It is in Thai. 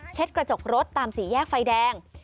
เช็ดกระจกรถตามสีแยกไฟแดง